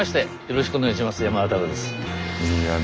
よろしくお願いします。